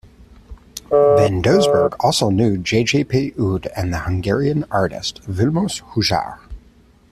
Van Doesburg also knew J. J. P. Oud and the Hungarian artist Vilmos Huszár.